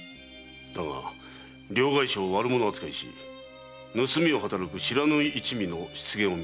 だが両替商を悪者扱いし盗みを働く不知火一味の出現を見た。